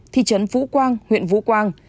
thị trấn vũ quang huyện vũ quang